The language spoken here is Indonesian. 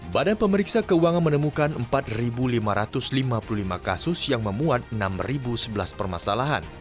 badan pemeriksa keuangan menemukan empat lima ratus lima puluh lima kasus yang memuat enam sebelas permasalahan